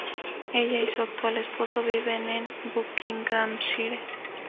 Ella y su actual esposo viven en Buckinghamshire.